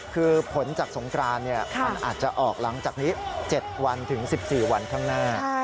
คือผลจากสงกรานมันอาจจะออกหลังจากนี้๗วันถึง๑๔วันข้างหน้า